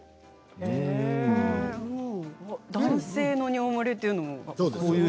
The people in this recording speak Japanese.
男性の尿漏れというのは。